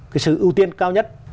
cái sự ưu tiên cao nhất